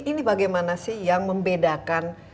ini bagaimana sih yang membedakan